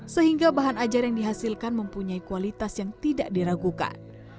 sehingga bahan ajar yang dihasilkan mempunyai kualitas yang tidak diragukan